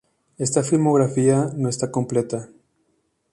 Esta filmografía no está completa.